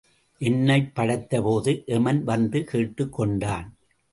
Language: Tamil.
என்னைப் படைத்த போது எமன் வந்து கேட்டுக் கொண்டான்.